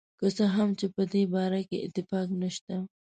که څه هم چې په دې باره کې اتفاق نشته.